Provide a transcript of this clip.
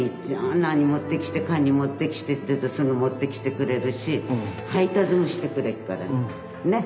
何持ってきてかに持ってきてって言うとすぐ持ってきてくれるし配達もしてくれっから。ね！